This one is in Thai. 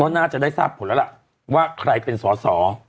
น่าจะได้ทราบผลแล้วล่ะว่าใครเป็นสอสอ